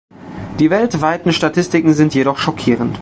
Die weltweiten Statistiken sind jedoch schockierend.